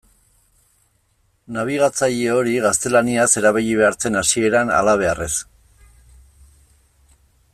Nabigatzaile hori gaztelaniaz erabili behar zen hasieran, halabeharrez.